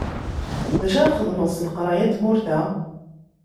Acu ara txedmeḍ s leqraya n tmurt-a?